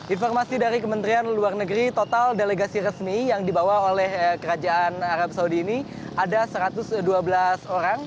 informasi dari kementerian luar negeri total delegasi resmi yang dibawa oleh kerajaan arab saudi ini ada satu ratus dua belas orang